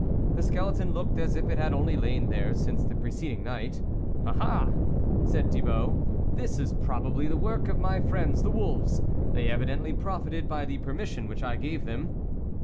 The skeleton looked as if it had only lain there since the preceding night. " Ah ! ah !" said Thibault, " this is pro bably the work of my friends, the wolves ; they evidently profited by the permission which I gave them."